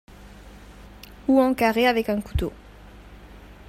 Ou en carrés avec un couteau.